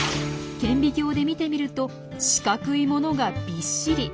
顕微鏡で見てみると四角いものがびっしり。